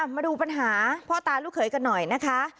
มาดูปัญหาพ่อตาลูกเขยกันหน่อยนะคะ